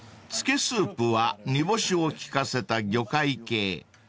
［つけスープは煮干しを利かせた魚介系］